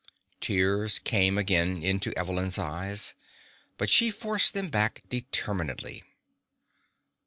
Tears came again into Evelyn's eyes, but she forced them back determinedly.